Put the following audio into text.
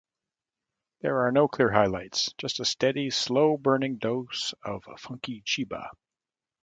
There are no clear highlights, just a steady, slow-burning dose of funky cheeba.